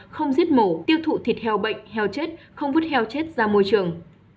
không giết mổ tiêu thụ thịt heo bệnh heo chết không vứt heo chết ra môi trường